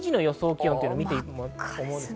気温を見ていきます。